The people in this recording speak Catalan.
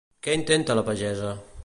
Què intenta la pagesa?